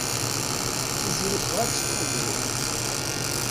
Tiziri tebɣa ad tṣeddeq idrimen.